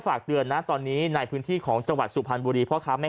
ฝากเตือนนะตอนนี้ในพื้นที่ของจังหวัดสุพรรณบุรีพ่อค้าแม่